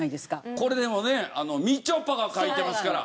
これでもねみちょぱが書いてますから。